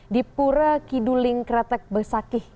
di pura kiduling kretek besakih